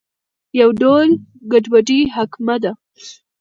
یو ډول ګډوډي حاکمه ده.